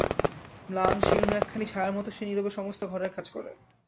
ম্লান, শীর্ণ একখানি ছায়ার মত সে নীরবে সমস্ত ঘরের কাজ করে।